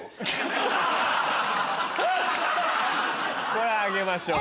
これあげましょう。